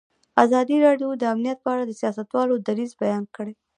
ازادي راډیو د امنیت په اړه د سیاستوالو دریځ بیان کړی.